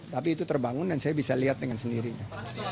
tapi itu terbangun dan saya bisa lihat dengan sendirinya